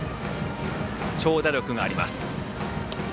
長打力があります。